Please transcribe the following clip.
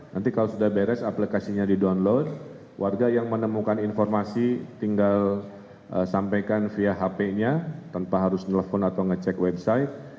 nanti kalau sudah beres aplikasinya di download warga yang menemukan informasi tinggal sampaikan via hp nya tanpa harus nelfon atau ngecek website